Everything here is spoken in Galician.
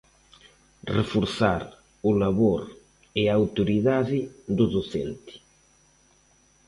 Reforzar o labor e a autoridade do docente.